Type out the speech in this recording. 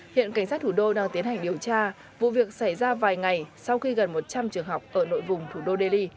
hiện cảnh sát thủ đô đang tiến hành điều tra vụ việc xảy ra vài ngày sau khi gần một trăm linh trường học ở nội vùng thủ đô delhi